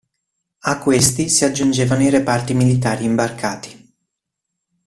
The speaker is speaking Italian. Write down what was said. A questi si aggiungevano i reparti militari imbarcati.